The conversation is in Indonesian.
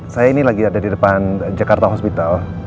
saya ini lagi ada di depan jakarta hospital